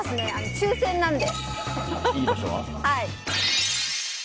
抽選なんで。